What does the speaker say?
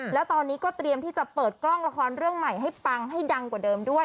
แล้วตอนนี้ก็เตรียมที่จะเปิดกล้องละครเรื่องใหม่ให้ปังให้ดังกว่าเดิมด้วย